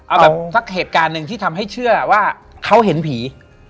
เอาแบบสักเหตุการณ์หนึ่งที่ทำให้เชื่อว่าเขาเห็นผี